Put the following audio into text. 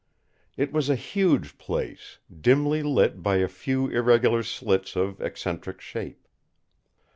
It was a huge place, dimly lit by a few irregular slits of eccentric shape.